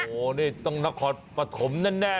โอ้โหนี่ต้องนครปฐมแน่